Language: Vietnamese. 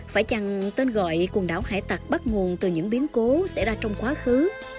phải chăng tên gọi quần đảo hải tạc bắt nguồn từ những biến cố xảy ra trong quá khứ